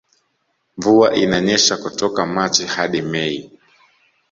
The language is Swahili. Mvua inanyesha kutoka machi hadi mei